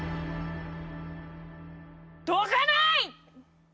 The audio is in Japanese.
どかない！